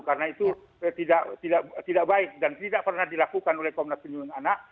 karena itu tidak baik dan tidak pernah dilakukan oleh komnas penyelidikan anak